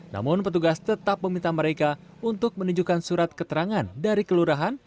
namun petugas tetap meminta mereka untuk menunjukkan surat keterangan dari kelurahan